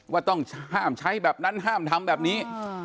ว่าต้องห้ามใช้แบบนั้นห้ามทำแบบนี้